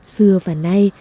xưa và nay